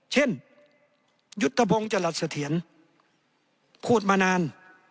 เช่นยุฒิภพงษ์จรรยษฐียนพูดมานาน